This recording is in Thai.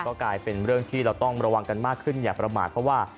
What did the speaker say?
ก็กลายเป็นเรื่องที่เราต้องระวังกันมากขึ้นอย่าประมาทเพราะว่า